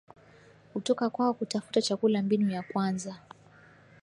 kutoka kwao Kutafuta chakula Mbinu ya kwanza